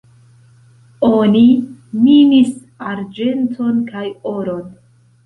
Oni minis arĝenton kaj oron.